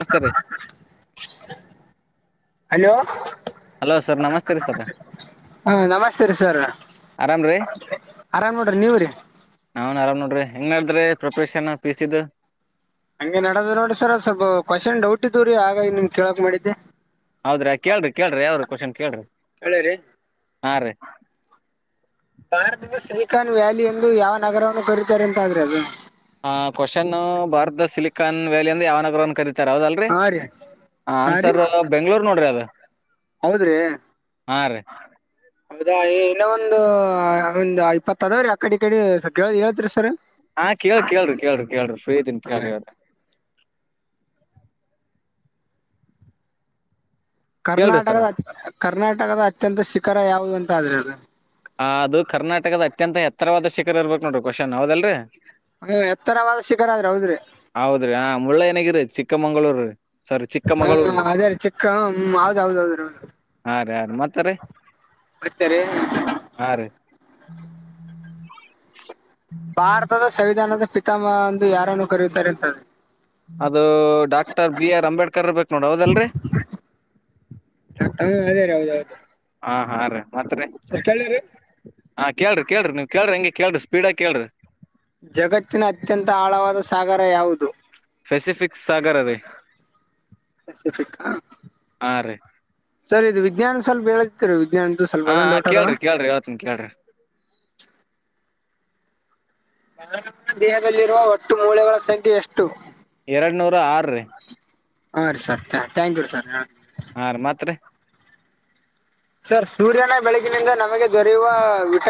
ನಮಸ್ತೆ ರೀ hello. Hello sir ನಮಸ್ತೆ ರೀ ಸರ್ ಹಾ ನಮಸ್ತೆೇ ರೀ ಸರ್ ಆರಾಮ್ರೀ ಆರಾಮ್ ಮಾಡೋ್ರಿ ನೀವ್ರೀ ಹ್ನ್ ಆರಾಮ್ ನೋಡ್ರಿ ಹೆಂಗ ನ ಹೇಳ್ರರಿಿ ಪ್ರೊಪ್ರಷನ್ ಪಿ ಸಿಿದು ಹಂಗೆ ನಡೋದು್ ನೋಡಿ್ರ ಸರ್ ಸ್ವಲ್ಪ ಕ್ವಶ್ನ್ ಡೌಟ್ ಇದ್ವ ರೀ ಆಗ ನಿಮ್ ಕೇಳಾಕ್ ಮಾಡಿದ್ದೆ ಹೌದ್ರೀ ಕೇಳಿ್ರಿ ಕೇಳಿ್ರಿ ಯಾವ ರೀ ಕ್ವಶನ್ ಕೇಳ್ರಿ ಹೇಳರಿ ಹಾಂ ರೀ ಭಾರತದ ಸಿ್ರೀಖಾನ್ ವ್ಯಾಲಿ ಎಂದು ಯಾವ ನಗರವನ್ನು ಕರೀತಾರೆ ಅಂತ ಆದ್ರೆ ಅದು ಆ್ ಕ್ವಶನ್ ಭಾರತದ ಸಿಲಿಕಾನ್ ವ್ಯಾಲಿಯ ಅಂದ ಯಾವನಗರನ್ ಕರೀತ ಸರ್ ಯಾವದಲ್ರರಿ ಹಾ ರೀ ಹಾ ಹನ್ ರೀ ಸರ್ ಬೆಂಗ್ಳೂರ್ ನೋಡ್ರಿ ಅದ ಹೌದ್ರಿ ಹೌದಾ ಇನ್ನೋ ಒಂದು ಒಂದ್ ಇಪ್ಪತ್ ಅದಾವ್ರೀ ಆ ಕಡೆ ಈ ಕಡೆ ಕೇಳ ಹೇಳತ್ರಿ ಸರ್ ಹಾ ಕೇಳಿ ಕೇಳ್ರಿ ಕೇಳ್ರಿ ಕೇಳ್ರ ಫ್ರೀದನ್ ಕೇಳ್ರಿ ಇವ ಕೇಳ್ರಿ ಸರ್ ಕರ್ನಾಟಕದ ಕರ್ನಾಟಕದ ಅತ್ಯಂತ ಶಿಖರ ಯಾವುದು ಅಂತ ಆದ್ರೆ ಅದು ಆ ಅದು ಕರ್ನಾಟಕದ ಅತ್ಯಂತ ಎತ್ತರವಾದ ಶಿಖರ ಇರ್ಬೇಕು ನೋಡರಿ ಕ್ವಶನ್ ಅವಾವದಲ್ರರಿ ಹ್ಮ ಎತ್ತರವಾದ ಶಿಖರ ಆದ್ರ ಹೌದ್ರಿ ಹೌದ್ರಿ ಆ ಮುಳ್ಳ ಏನಾಗ್ರೀ ಚಿಕ್ಕಮಂಗಗಳೂರಿ ಸರಿ ಚಿಕ್ಕ ಹಾ ಅದೇರ ಚಿಕ್ಕ ಹ್ಮ ಹೌದ್ ಹೌದೌದ್ರ ಹಾ ರೀ ಹಾ ರೀ ಮತ್ತ ರೀ ಕುಡತಾರೆ ಹಾ ರೀ ಭಾರತದ ಸಂವಿಧಾನದ ಪಿತಾಮಂದು ಯಾರನ್ನು ಕರೆಯುತ್ತಾರೆ ಅಂತ ಅದು ಡಾಕ್ಟರ್ ಬಿ ಆರ್ ಅಂಬೇಡ್ಕರ್ ಬೇಕಕ್ ನೋಡ ಹೌದಲ್ರರಿ ಹಾ ಅದೇ ರ ಹೌದೌದು ಹಾ ಹಾ ರೀ ಮಾತ್ರ ಸರ್ ಕೇಳಿರಿ ಹಾ ಕೇಳ್ರರಿ ಕೇಳಿ ನೀವು ಕೇಳ್ರಿ ಹಂಗೆಳರಿ ಸ್ಪೀಡಾಗ ಕೇಳ್ರಿ ಜಗತ್ತಿನ ಅತ್ಯಂತ ಆಳವಾದ ಸಾಗರ ಯಾವುದು ಪೆಸಿಫಿಕ್ ಸಾಗರ ರೀ ಹಾ ರೀ ಸರಿ ಇದು ವಿಜ್ಞಾನ ಸ್ವಲ್ಪ ಹೇಳತಿರಿ ವಿಜ್ಞಾನ ಅಂತ ಸ್ವಲ್ಪ ಹಾ ಅದೊ ಹಾ ಡೌಟ್ ಅದಾವ ಕೇಳ್ರಿ ಕೇಳ್ರಿ ಹೇಳ್ತೀನಿ ಕೇಳ್ರಿ ಎಲ್ಲ ದೇಹದಲ್ಲಿರುವ ಒಟ್ಟು ಮೂಳೆಗಳ ಸಂಖ್ಯೆ ಎಷ್ಟು ಎರಡು ನೂರ ಆರ ರೀ [inaudible] ಹಾ ರ ಮಾತ್ರ ಸರ್ ಸೂರ್ಯನ ಬೆಳಗಿನಿಂದ ನಮಗೆ ದೊರೆಯುವ ವಿಟ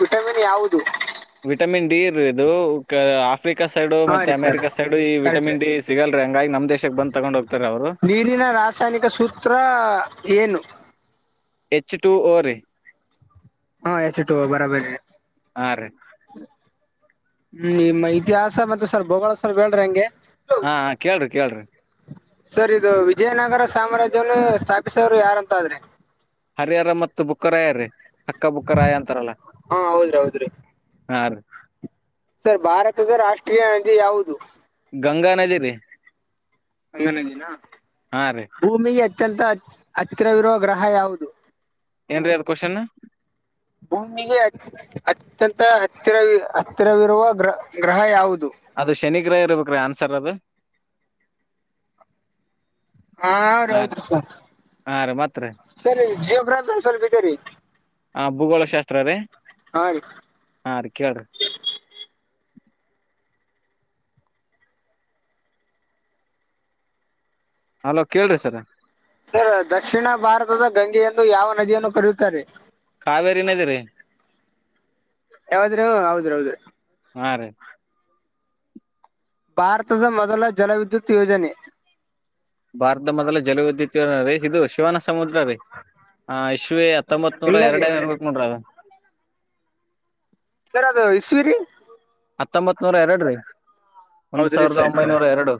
ವಿಟಮಿನ್ ಯಾವುದು ವಿಟಮಿನ್ ಡಿ ಇರುದು ಆಫ್ರಿಕಾ ಸೈಡು ಹಾ ರೀ ಮತ್ತ ಸರ್ ಅಮೆರಿಕಾ ಸೈಡು ಈ ಕರೆಕ್ಟ್ ವಿಟಮಿನ್ ಡಿ ಸಿಗಲ್ರಿ ಹಂಗ ನಮ್ಮ ದೇಶಕ್ಕೆ ಬಂದು ತಗೊಂಡ್ ಹೋಗ್ತಾರ ಅವರು ದೀನಿನ ರ ರಾಸಾಯನಿಕಸೂತ್ರ ಏನು ಎಚ್ ಟು ಓ ರ ಹಾ ಎ ಸಟು ಬರಬರ ಹಾ ರೀ ಹ್ಮ ನಿಮ್ಮ ಇತಿಹಾಸ ಮತ್ತೆ ಸರ್ ಭೋಳ ಸವರ್ ಬೇರಿ ಹಂಗೆ ಹಾ ಕೇಳ್ರಿ ಕೇಳ್ರಿ ಸರ್ ಇದು ವಿಜಯನಗರ ಸಾಮ್ರಾಜ್ಯವನ್ನು ಸ್ಥಾಪಿಸೋರು ಯಾರಂತಾದ್ರೆ ಹರಿಹರ ಮತ್ತು ಬುಕ್ಕರಾಯ ರೀ ಅಕ್ಕ ಬುಕ್ಕರಾಯ ಅಂತಾರಲ್ಲ ಹಾ ಹೌದ್ರಿ ಹೌದ್ರಿ ಹಾ ರ ಸರ್ ಭಾರತದ ರಾಷ್ಟ್ರೀಯ ನದಿ ಯಾವುದು ಗಂಗಾ ನದಿ ರೀ ಅಂಗನಜಿನ ಹಾ ರೀ ಭೂಮಿಗೆ ಅತ್ಯಂತ ಹತ್ತಿರವಿರುವ ಗ್ರಹ ಯಾವುದು ಏನರೀ ಅದು ಕ್ವೆಶ್ಚನ್ ಭೂಮಿಗೆ ಅತ್ಯಂತ ಹತ್ತಿರವಿ ಹತ್ತಿರವಿರುವ ಗ್ರ ಗ್ರಹ ಯಾವುದು ಅದು ಶನಿಗ್ರಹ ಇರ್ಬೇಕುರೀ ಆನ್ಸರ್ ಅದು ಹಾರ ಹಾ ರೀ ಹೌದ್ರರಿ ಸರ್ ಹಾ ರೀ ಮತ್ರಿ ಸರಿ ಜಿಯೋ ಪ್ರಾಬ್ಲಮ್ ಸ್ವಲ್ಪ ಇದೇರಿ ಹಾ ಭೂಗೋಳ ಶಾಸ್ತ್ರ ರೀ ಹಾಂ ರೀ ಕೇಳಿರಿ ಅಲೋ ಕೇಳ್ರಿ ಸರ್ ಸರ್ ದಕ್ಷಿಣ ಭಾರತದ ಗಂಗೆಯ ಎಂದು ಯಾವ ನದಿಯನ್ನು ಕರೆಯುತ್ತಾರೆ ಕಾವೇರಿ ನದ ರೀ ಯಾವ್ದ್ರು ಹೌದ್ ಹೌದ್ರರು ಹಾ ರೀ ಭಾರತದ ಮೊದಲ ಜಲ ವಿದ್ಯುತ್ ಯೋಜನೆ ಭಾರತದ ಮೊದಲ ಜಲವಿದ್ಯುತ್ ರೀ ಇದು ಶಿವನ ಸಮುದ್ರ ರೀ ಹ ಇಶವಿ ಹತ್ತೊಂಬತ್ೂರ ಇಲ್ಲ ರೀ ಎರಡಏ ಇರ್ಬೇಕು ನೋಡ್ರ ಅದ ಸರ್ ಅದು ಇಸವೀರಿ ಹತ್ತೊಂಬತ್ ನೂರ ಎರಡು ರೀ ಒಂದು ಹೌದ್ರಿ ಸಾವಿರದ ಸರ್ ಒಂಬೈನೂರ ಎರಡು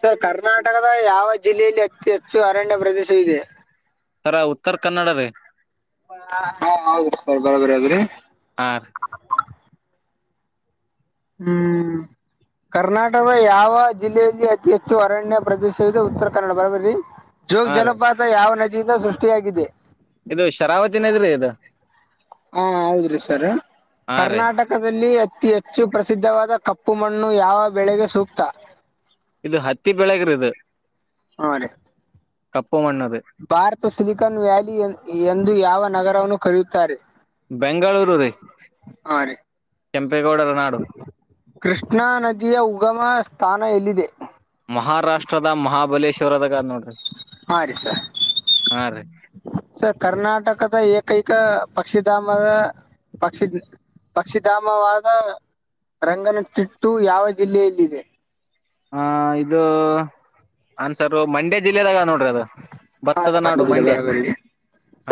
ಸರ್ ಕರ್ನಾಟಕದ ಯಾವ ಜಿಲ್ಲೆಯಲ್ಲಿ ಅತಿ ಹೆಚ್ಚು ಅರಣ್ಯ ಪ್ರದೇಶ ಇದೆ ತರ ಉತ್ತರ ಕನ್ನಡ ರೇ ಹಾ ಹೌದ್ರಿ ಸರ್ ಬರಬರಿ ಅದ್ರಿ ಆ ಹ್ಮ್ ಕರ್ನಾಟಕದ ಯಾವ ಜಿಲ್ಲೆಯಲ್ಲಿ ಅತಿ ಹೆಚ್ಚು ಅರಣ್ಯ ಪ್ರದೇಶವಿದೆ ಉತ್ತರ ಕನ್ನಡ ಬರಬರಿ ಜೋೋಗ ಹಾ ರೀ ಜಲಪಾತ ಯಾವ ನದಿಯಿಂದ ಸೃಷ್ಟಿಯಾಗಿದೆ ಇದು ಶರಾವತಿನ ಇದ್ರೆ ಇದು ಹಾ ಹೌದ್ರಿ ಸರ್ ಹಾ ರೀ ಕರ್ನಾಟಕ ನಟದಲ್ಲಿ ಅತಿ ಹೆಚ್ಚು ಪ್ರಸಿದ್ಧವಾದ ಕಪ್ಪು ಮಣ್ಣು ಯಾವ ಬೆಳೆಗೆ ಸೂಕ್ತ ಇದು ಹತ್ತಿ ಬೆಳಗ್ರ ಇದು ಹಾ ರೇ ಕಪ್ಪ ಮಣ್ಣದು ಭಾರತ ಸಿಲಿಕಾನ್ ವ್ಯಾಲಿ ಎಂದು ಯಾವ ನಗರವನ್ನು ಕರೆಯುತ್ತಾರೆ ಬೆಂಗಳೂರು ರೀ ಹಾ ರೀ ಕೆಂಪೇಗೌಡರ ನಾಡು ಕೃಷ್ಣಾ ನದಿಯ ಉಗಮ ಸ್ಥಾನ ಎಲ್ಲಿದೆ ಮಹಾರಾಷ್ಟ್ರದ ಮಹಾಬಲೇಶ್ವರದಾಗ ನೋಡಿ ಹ ರ ಸರ್ ರೀ ಸರ್ ಕರ್ನಾಟಕದ ಏಕೈಕ ಪಕ್ಷಿಧಾಮದ ಪಕ್ಷಿ ಪಕ್ಷಿಧಾಮವಾದ ರಂಗನತಿಟ್ಟು ಯಾವ ಜಿಲ್ಲೆಯಲ್ಲಿದೆ ಹ ಇದು ಅನ್ಸರ್ ಮಂಡ್ಯ ಜಿಲ್ಲೆದಾಗ ನೋಡ್ರಿ ಅದು ಹಾ ಭತ್ತದ ರೀ ನಾಡು ಬಂದಿದ್ದೀರಿ ಮಂಡ್ಯ ಬರೋಬರಿ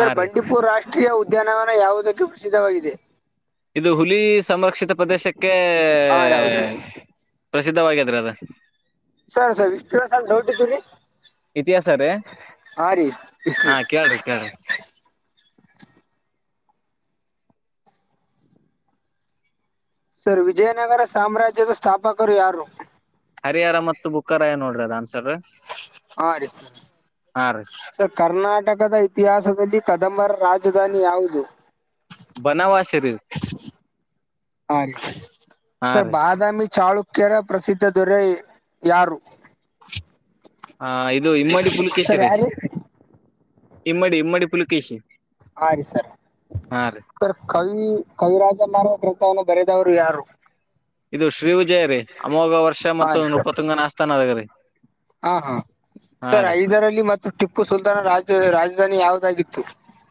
ಹಾ ರೀ ಬಂಡೀಪುರ್ ರಾಷ್ಟ್ರೀಯ ಉದ್ಯಾನವನ ಯಾವುದಕ್ಕೆ ಪ್ರಸಿದ್ಧವಾಗಿದೆ ಇದು ಹುಲಿ ಸಂರಕ್ಷಿತ ಪ್ರದೇಶಕ್ಕೆ ಹಾ ರೀ ಹೌದ್ರಿ ಪ್ರಸಿದ್ಧವಾದ್ರ ಅದು ಸರ್ ಸರ್ ವಿಶ ಸ ದೌಡ್ಡರಿ ಇತಿಹಾಸ ಹ ರೀ ಕೇಳಿ ಕೇಳ್ರಿ ಸರ್ ವಿಜಯನಗರ ಸಾಮ್ರಾಜ್ಯದ ಸ್ಥಾಪಕರು ಯಾರು ಹರಿಹರಾರ ಮತ್ತು ಬುಕ್ಕರಾಯ ನೋಡ್ರ ಅನ್ಸ ಹಾರಿ ಹಾ ರೀ ಸರ್ ಕರ್ನಾಟಕದ ಇತಿಹಾಸದಲ್ಲಿ ಕದಂಬರ ರಾಜಧಾನಿ ಯಾವುದು ಬನವಾಸಿ ರೀ ಹ ರ ಹಾ ಸರ್ ರೀ ಬಾದಾಮಿ ಚಳು ಉಖ್ಯರ ಪ್ರಸಿದ್ಧ ದೊರೆ ಯಾರು ಹಾ ಇದು ಇಮ್ಮಡಿ ಪುಲಕೇಶಿ ಸರ್ ರೀ ಯಾರು ಇಮ್ಮಡಿ ಇಮ್ಮಡಿ ಪುಲಕೇಶಿ ಹಾ ರೀ ಸರ್ ಸರ್ ಕವಿ ಕವಿರಾಜ ಮಾರ ಗ್ರಂಥವನ್ನು ಬರೆದವರು ಯಾರು ಇದು ಶ್ರೀ ವಿಜಯ ರೇ ಅಮೋಘ ವರ್ಷ ಹಾ ಮತ್ತು ರೀ ನೃಪ ಸರ್ ತುಂಗನ ಆಸ್ಥಾನದಾಗ ರರಿ ಹಾ ಹಾ ಸರ್ ಐದರಲ್ಲಿ ಮತ್ತು ಟಿಪ್ಪು ಸುಲ್ತಾನ ರಾಜ ರಾಜಧಾನಿ ಯಾವದಾಗಿತ್ತು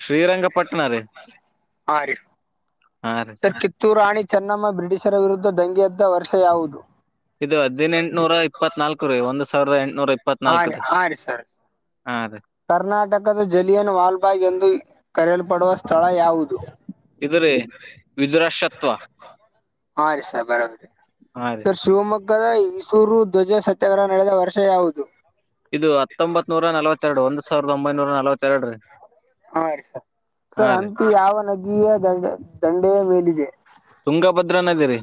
ಶ್ರೀರಂಗಪಟ್ಟಣ ರೀ ಹಾಂ ರೀ ಕಿತ್ತೂ ರಾಣಿ ಚೆನ್ನಮ್ಮ ಬ್ರಿಟಿಷರ ವಿರುದ್ಧ ದಂಗೆದ್ದ ವರ್ಷ ಯಾವುದು ಇದು ಹದಿನೆಂಟನೂರ ಇಪ್ಪತ್ನಾಲ್ಕು ರೀ ಒಂದ್ ಸಾವಿರದ ಎಂಟಟ್ನೂರ ಹಾ ಇಪ್ಪತ್ನಾಲ್ಕ ರೀ ಹಾ ಸರ್ ಹ ಅದೇ ಕರ್ನಾಟಕದ ಜಲಿಯನ್ ವಾಲ್ಬಾಗ್ ಎಂದು ಕರೆಯಲ್ಪಡುವ ಸ್ಥಳ ಯಾವುದು ಇದು ರೀ ವಿದುರಾಶತ್ವ ಹಾ ರರಿಷಾ ಬರಬ ಹಾ ರೀ ಸ ಶಿವಮೊಗ್ಗದ ಇಸೂರು ಧ್ವಜ ಸತ್ಯಾಗ್ರಹ ನಡೆದ ವರ್ಷ ಯಾವುದು. ಇದು ಹತ್ತೊಂಬತ್ ನೂರ ನಲ್ವತ್ತೆರಡು ಒಂದ್ ಸಾವಿರದ ಒಂಬೈನೂರ ನಲ್ವತ್ತೆರ್ಡು ರೀ ಹಾ ರೀ ಸರ್ ಸರ್ ಹಂಪಿ ಯಾವ ನಗಿಯ ದಂಡೆ ದಂಡೆಯ ಮೇಲಿದೆ ತುಂಗಭದ್ರ ನದಿ ರೀ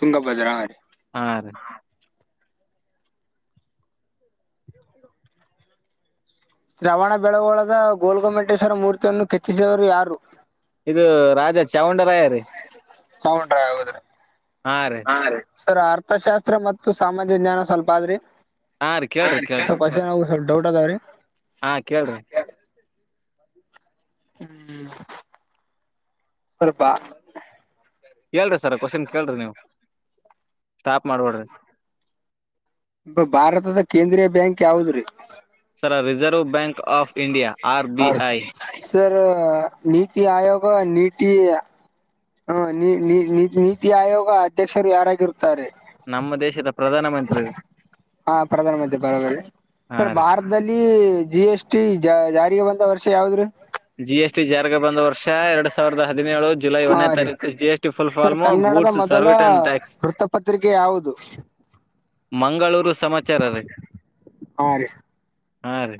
ತುಂಗಭದ್ರಾ ಹಾ ರೀ ಹಾ ರೀ ಶ್ರವಣ ಬೆಳಗೊಳದ ಗೋಲ್ಗೊಮಟೇಶ್ವರ ಮೂರ್ತಿಯನ್ನು ಕೆತ್ತಿಸಿದವರು ಯಾರು. ಇದು ರಾಜ ಚಾವಂಡರಾಯ ರೀ ಹಾ ರೀ. ಹ ರಿ ಸರ್ ಅರ್ಥಶಾಸ್ತ್ರ ಮತ್ತು ಸಾಮಾಜ ಜ್ಞಾನ ಸ್ವಲ್ಪ ಆದ್ರಿ ಹಾ ರೀ ಕೇಳ್ರಿ ಕೇಳ್ರಿ ಕ್ವಷನಲ್ ಸ್ವಲ್ಪ್ ಡೌಟ್ ಅದಾವ್ರೀ. ಹಾ ಕೇಳ್ರಿ ಹ್ಮ್ ಸ್ವಲ್ಪ ಹೇಳ್ರಿ ಸರ ಕ್ವೆಶನ್ ಕೇಳ್ರಿ ನೀವು ಸ್ಟಾಪ್ ಮಾಡ್ಬೇಡ್ರಿ. ಭಾರತದ ಕೇಂದ್ರೀಯ ಬ್ಯಾಂಕ್ ಯಾವ್ದ್ರೀ ಸರ Reserve Bank of India R ಹಾ ಬಿ ರೀ I sir sir NITI Aayog ನೀಟಿ ಹ ನಿ ನಿ ನಿ ನಿ ನೀತಿ ಆಯೋಗ ಅಧ್ಯಕ್ಷರು ಯಾರಾಗಿರ್ತಾರಿ ನಮ್ಮ ದೇಶದ ಪ್ರಧಾನ ಮಂತ್ರಿ ರೀ ಹಾ ಪ್ರಧಾನ ಮಂತ್ರಿ ಬರೋಬರಿ ಹಾ ಸರ್ ರೀ ಭಾರ ದಲ್ಲಿ ಜಿ ಎಸ್ ಟಿ ಜ ಜಾರಿಗೆ ಬಂದ ವರ್ಷ ಯಾವದ್ರಿ. ಜಿ ಎಸ್ ಟಿ ಜಾರಿಗೆ ಬಂದ ವರ್ಷ ಎರಡ್ ಸಾವಿರದ ಹದಿನೇಳು ಜುಲೈ ಹಾ ಒಂದೇ ರೀ ತಾರೀಕು G S T sir full form ಕನ್ನಡದ ಗೂಡ್ಸ್ ಮೊದಲ ಸರ್ವಿಟನ್ ಟ್ಯಾಕ್ಸ್ ವೃತ್ತಪತ್ರಿಕೆ ಯಾವುದು ಮಂಗಳೂರು ಸಮಾಚಾರ ರೀ. ಹಾ ರೀ ಹಾ ರೀ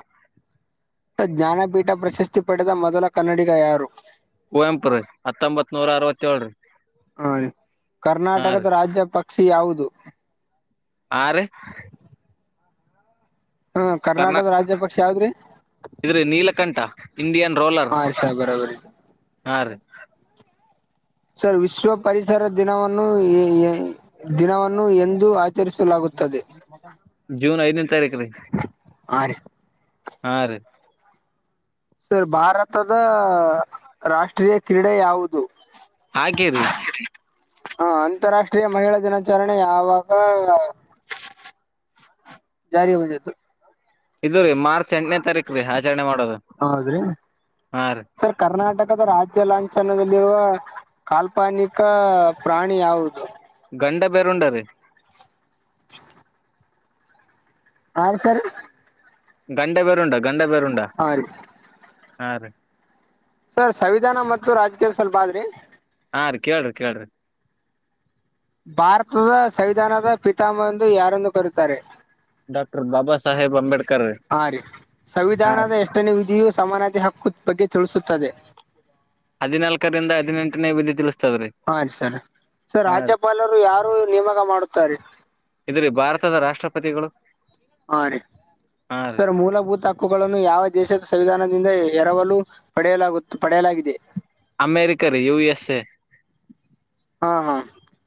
ಜ್ಞಾನಪೀಠ ಪ್ರಶಸ್ತಿ ಪಡೆದ ಮೊದಲ ಕನ್ನಡಿಗ ಯಾರು. ಕುವಂಪು ರೀ ಹತ್ತೊಂಬತ್ ನೂರ ಅರವತ್ತೆಳ್ರೀ. ಹ ರಿ ಕರ್ನಾಟಕದ ರೀ ರಾಜ್ಯ ಪಕ್ಷಿ ಯಾವುದು. ಹಾ ರಿ ಹ್ಮ ಕರ್ನಾಟಕದ ರಾಜ್ಯಪಕ್ಷಿ ಯಾವ್ದ್ರಿ ಇದ್ರೀ ನೀಲಕಂಠ ಇಂಡಿಯನ್ ರೋಲರ್ ಹಾ ಸರ್ ಬರೋಬರಿ ಹಾ ರೀ. ಸರ್ ವಿಶ್ವ ಪರಿಸರ ದಿನವನ್ನು ಎ ಎ ಎ ದಿನವನ್ನು ಎಂದು ಆ ಚರಿಸಲಾಗುತ್ತದೆ ಜೂನ್ ಐದನೇ ತಾರೀಕ ರೀ ಹಾ ರಿ ಹಾ ರೀ ಸರ್ ಭಾರತದ ರಾಷ್ಟ್ರೀಯ ಕ್ರೀಡೆ ಯಾವುದು. ಹಾಕಿ ರೀ. ಹಾ ಅಂತಾರಾಷ್ಟ್ರೀಯ ಮಹಿಳಾ ದಿನಾಚರಣೆ ಯಾವಾಗ ಜಾರಿಗೆ ಬಂದಿತು. ಇದು ರೀ ಮಾರ್ಚ್ ಎಂಟನೇ ತಾರೀಕ್ರೀ ಆಚರಣೆ ಮಾಡೋದು ಹೌದ್ರಿ ಹಾ ರೀ. ಸರ್ ಕರ್ನಾಟಕದ ರಾಜ್ಯ ಲಾಂಛನದಲ್ಲಿರುವ ಕಾಲ್ಪನಿಕ ಪ್ರಾಣಿ ಯಾವುದು. ಗಂಡ ಬೇರುಂಡ ರೀ ಆನ್ಸರ್ ಗಂಡಬೇರುಂಡ ಗಂಡಬೇರುಂಡ ಹಾ ರೀ ಹಾ ರೀ ಸರ್ ಸಂವಿಧಾನ ಮತ್ತು ರಾಜಕೀಯದ ಸ್ವಲ್ಪ ಆದ್ರಿ ಹಾಂ ರೀ ಕೇಳ್ರಿ ಕೇಳ್ರಿ ಭಾರತದ ಸಂವಿಧಾನದ ಪಿತಾಮಂಬ ಎಂದು ಯಾರನ್ನು ಕರತಾರೆ ಡಾಕ್ಟರ್ ಬಾಬಾ ಸಾಹೇಬ್ ಅಂಬೇಡ್ಕರ್ ಹಾ ಪಟ್ಟನೆ ವಿಧಿಯು ಸಮಾನತೆ ಹಕ್ಕು ಬಗ್ಗೆ ತಿಳಿಸುತ್ತದೆ ಹದಿನಾಲ್ಕರಿಂದ ಹದಿನೆಂಟನೇ ವಿದ್ಯ ತಿಳಿಸ ಹಾ ರೀ ಸರ್ ಸರ್ ರಾಜ್ಯಪಾಲರು ಯಾರು ನೇಮಕ ಮಾಡುತ್ತಾರೆ ಇದ್ರ ಭಾರತದ ರಾಷ್ಟ್ರಪತಿಗಳು ಹಾ ರೀ ಹಾ ರೀ ಸರ್ ಮೂಲಭೂತ ಹಕ್ಕುಗಳನ್ನು ಯಾವ ದೇಶದ ಸಂವಿಧಾನದಿಂದ ಎರವಲು ಪಡೆಯಲಾಗುತ್ತ ಪಡೆಯಲಾಗಿದೆ ಅಮೇರಿಕ ರೀ ಯು ಎಸ್ ಎ [inaudible] ಹಾ ಹಾ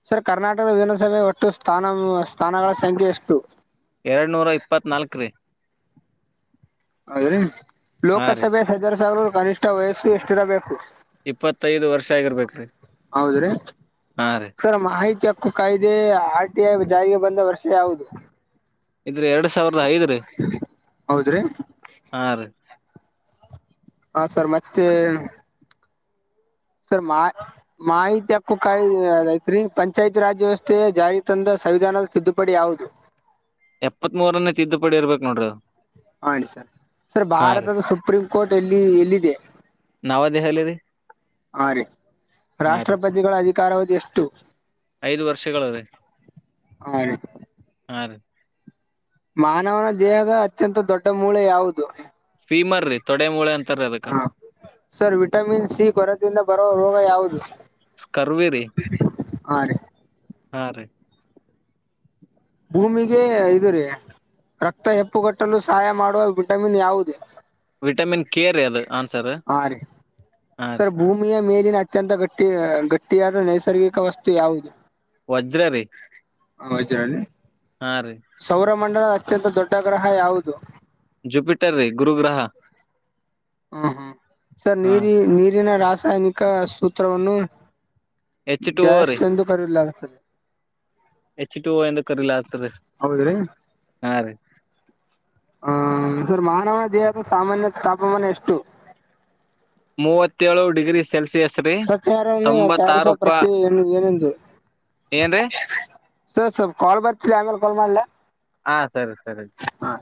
ಸರ್ ಕರ್ನಾಟಕದ ವಿಿನಾನಸಭೆ ಒಟ್ಟು ಸ್ಥಾನ ಸ್ಥಾನಗಳ ಸಂಖ್ಯೆ ಎಷ್ಟು ಎರಡು ನೂರ ಇಪ್ಪತ್ನಾಲ್ಕು ರೀ ಅದ್ರ ಹಾ ರೀ ಲೋಕಸಭೆ ಸದಸ್ಯರ ಕನಿಷ್ಠ ವಯಸ್ಸು ಎಷ್ಟಿರಬೇಕು ಇಪ್ಪತ್ತೈದು ವರ್ಷ ಆಗಿರ್ಬೇಕ ರೀ ಹಾ ರೀ ಅರ ಮಾಹಿತಿ ಹಕ್ಕು ಕಾಯ್ದೆ ಆರ್ ಟಿಐ ಜಾರಿಗೆ ಬಂದ ವರ್ಷ ಯಾವುದು ಇದ್ರ ಎರಡ್ ಸಾವಿರದ ಐದ್ ಹೌದ್ರಿ ಹ ರೀ ಹಾ ಸರ್ ಮತ್ತೆ.. ಸರ್ ಮಾ ಮಾಹಿತಿ ಹಕ್ಕು ಕಾಯ್ದೆ ಐತ್ರಿ ಪಂಚಾಯತ್ ರಾಜ್ ವ್ಯವಸ್ಥೆ ಜಾರಿ ತಂದ ಸಂವಿಧಾನದ ತಿದ್ದುಪಡಿ ಯಾವುದು ಎಪ್ಪತ್ ಮೂರನೇ ತಿದ್ದುಪಡಿ ಇರ್ಬೇಕು ನೋಡ್ರಿ ಹಿ ಸರ್ ಸರ್ ಹಾ ರೀ ಭಾರತದ ಸುಪ್ರೀಂ ಕೋರ್ಟ್ ಎಲ್ಲಿ ಎಲ್ಲಿದೆ ನವದೆಹಲಿ ರೀ ಆ ರೀ ಹಾ ರೀ ರಾಷ್ಟ್ರಪತಿಗಳ ಅಧಿಕಾರವುದು ಎಷ್ಟು ಐದು ವರ್ಷಗಳು ರೀ ಹಾ ರೀ ಹಾಂ ರೀ ಮಾನವನ ದೇಹದ ಅತ್ಯಂತ ದೊಡ್ಡ ಮೂಳೆ ಯಾವುದು ಫೀಮರ್ ರೀ ತೊಡೆ ಮೂಳೆಂತ ಹ ಸರ್ ವಿಟಮಿನ್ ಸಿ ಕೊರತಿಂದ ಬರುವ ರೋಗ ಯಾವುದು ಕರ್ವಿರಿ ಹಾ ರೀ ಹಾಂ ರೀ ಭೂಮಿಗೆ ಇದು ರೀ ರಕ್ತ ಹೆಪ್ಪುಗಟ್ಟಲು ಸಹಾಯ ಮಾಡುವ ವಿಟಮಿನ್ ಯಾವುದು ವಿಟಮಿನ್ ಕೇ ರಿ ಅದು ಆನ್ಸರ್ ಹಾ ರೀ ಹಾ ರೀ ಸರ್ ಭೂಮಿಯ ಮೇಲಿನ ಅತ್ಯಂತ ಗಟ್ಟಿ ಗಟ್ಟಿಯಾದ ನೈಸರ್ಗಿಕ ವಸ್ತು ಯಾವುದು ವಜ್ರ ರೀ ಹಚಾರ ಹಾ ರೀ [unintelligible] ಸೌರ ಮಂಡಲದ ಅತ್ಯಂತ ದೊಡ್ಡ ಗ್ರಹ ಯಾವುದು ಜುಪಿಟರ್ ರೀ ಗುರುಗ್ರಹ ಹ್ಮ ಹ್ಮ ಸರ್ ಹಾ ನೀರಿ ನೀರಿನ ರಾಸಾಯನಿಕ ಸೂತ್ರವನ್ನು ಎಚ್ ಟು ಓ ಡ್ಯಾಶ್ ರೀ ಎಂದು ಕರೆಯಲಾಗುತ್ತದೆ ಹೆಚ್ ಟು ಎಂದು ಕರೆಯತದೆ ಹೌದ್ರಿ ಹಾರಿ ಹ್ಮ ಸರ್ ಮಾನವನ ದೇಹದ ಸಾಮಾನ್ಯ ತಾಪಮಾನ ಎಷ್ಟು ಮೂವತ್ತೇಳು ಡಿಗ್ರಿ ಸೆಲ್ಸಿಯಸ್ ರೀ ಸವಚಾರವನ್ನು ತಾರಿಸುವುವ ತೊಂಬತ್ತಾರು ಪ ಪ್ರಕ್ರಿಯೆ ಏನು ಏನೆಂದು ಏನ್ರೀ ಸರ್ ಸ ಸ್ಲ್ ಕಾಲ್ ಬರ್ತಿರಿ ಆಮೇಲೆ ಕಾಲ್ ಮಾಡ್ಲ ಹಾ ಸರಿ ಸರಿ ಹಾ